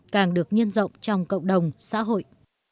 càng được nhân rộng trong cộng đồng xã hội